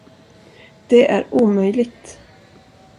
Det är omöjligt.